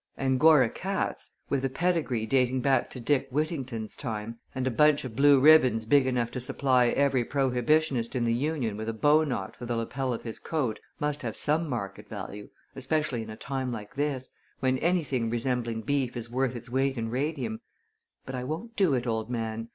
"Angora cats, with a pedigree dating back to Dick Whittington's time and a bunch of blue ribbons big enough to supply every prohibitionist in the Union with a bowknot for the lapel of his coat, must have some market value, especially in a time like this, when anything resembling beef is worth its weight in radium; but I won't do it, old man.